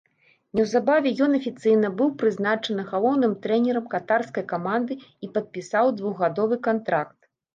Неўзабаве ён афіцыйна быў прызначаны галоўным трэнерам катарскай каманды і падпісаў двухгадовы кантракт.